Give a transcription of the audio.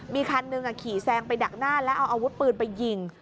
มีคันหนึ่งขี่แซงไปดักหน้าแล้วเอาอาวุธปืนไปยิง